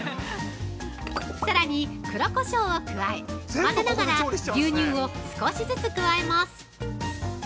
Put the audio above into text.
◆さらに黒こしょうを加え混ぜながら牛乳を少しずつ加えます。